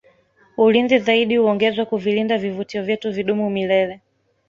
ulinzi zaidi uongezwe kuvilinda vivutio vyetu vidumu milele